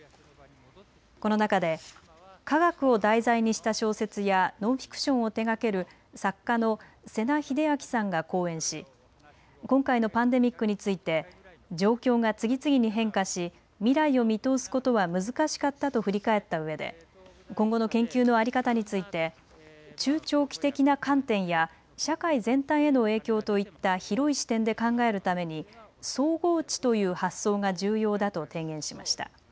この中で科学を題材にした小説やノンフィクションを手がける作家の瀬名秀明さんが講演し今回のパンデミックについて状況が次々に変化し未来を見通すことは難しかったと振り返ったうえで今後の研究の在り方について中長期的な観点や社会全体への影響といった広い視点で考えるために総合知という発想が重要だと提言しました。